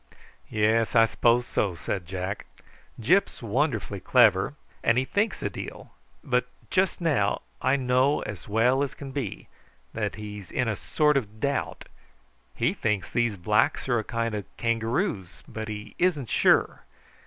"Yes, I s'pose so," said Jack. "Gyp's wonderfully clever, and he thinks a deal; but just now, I know as well as can be, he's in a sort of doubt. He thinks these blacks are a kind of kangaroos, but he isn't sure.